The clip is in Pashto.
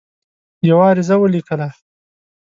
یوه عریضه ولیکله.